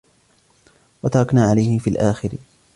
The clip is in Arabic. وتركنا عليه في الآخرين